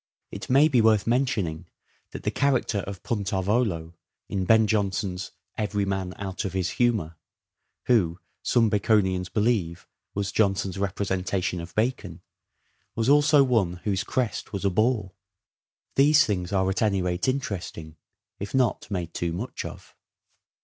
It may be worth mentioning that the character of Puntarvolo, in Ben Jonson's " Every Man out of his Humour," who, some Baconians believe, was Jonson's representation of Bacon, was also one whose crest was a boar. These things are at any rate interesting if not made too much of.